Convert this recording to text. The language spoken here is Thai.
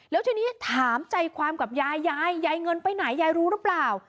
แล้วทีนี้ถามใจความกับยายยายยายเงินไปไหนยายรู้หรือเปล่า